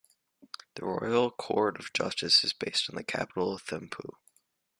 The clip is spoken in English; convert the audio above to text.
The Royal Court of Justice is based in the capital Thimphu.